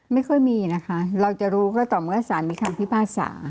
ไม่ค่อยมีนะคะเราจะรู้ก็ต่อเมื่อสารมีคำพิพากษา